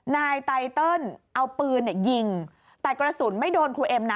นายไตเติลเอาปืนยิงแต่กระสุนไม่โดนครูเอ็มนะ